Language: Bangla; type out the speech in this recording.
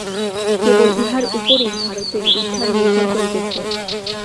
কেবল ইহার উপরেই ভারতের উদ্ধার নির্ভর করিতেছে।